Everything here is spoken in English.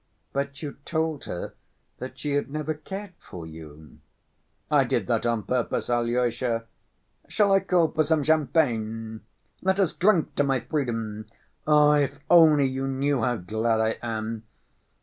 "But you told her that she had never cared for you." "I did that on purpose. Alyosha, shall I call for some champagne? Let us drink to my freedom. Ah, if only you knew how glad I am!"